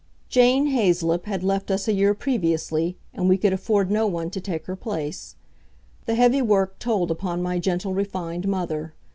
Jane Haizelip had left us a year previously, and we could afford no one to take her place. The heavy work told upon my gentle, refined mother.